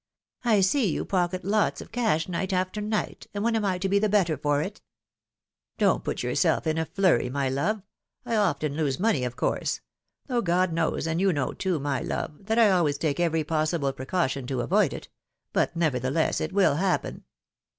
" I see you pocket lots of cash night after night, and when am I to be the better for it? "" Don't put yourself in a flurry, my love ; I often lose money, of course ; though Gtod knows, and you Icnow, too, my DOMESTIC FINANCE. 15 love, that I always take every possible precaution to avoid it ; but, nevertheless, it will happen."